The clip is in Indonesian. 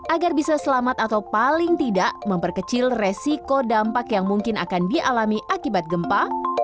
agar bisa selamat atau paling tidak memperkecil resiko dampak yang mungkin akan dialami akibat gempa